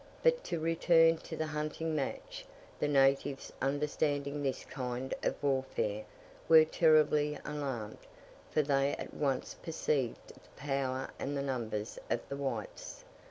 But to return to the hunting match; the natives understanding this kind of warfare, were terribly alarmed, for they at once perceived the power and numbers of the whites.